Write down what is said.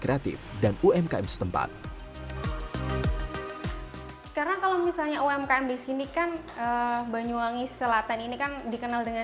terus kita juga sebenarnya terinspirasi sih dari aplikasi lain yang sudah berkembang di indonesia ini untuk bisa diaplikasikan di desa